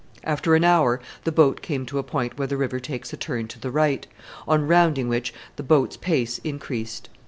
After an hour the boat came to a point where the river takes a turn to the right, on rounding which the boat's pace increased.